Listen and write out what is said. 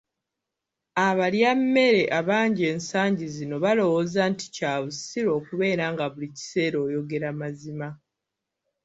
Abalyammere bangi ensangi zino balowooza nti kya bussiru okubeera nga buli kiseera oyogera mazima.